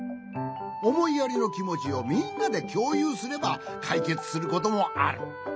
おもいやりのきもちをみんなできょうゆうすればかいけつすることもある。